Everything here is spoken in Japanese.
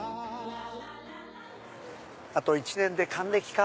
あと１年で還暦か。